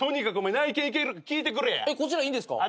えっこちらいいんですか？